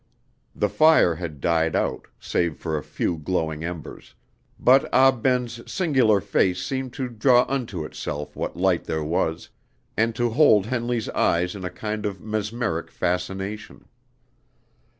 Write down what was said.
The fire had died out, save for a few glowing embers, but Ah Ben's singular face seemed to draw unto itself what light there was, and to hold Henley's eyes in a kind of mesmeric fascination.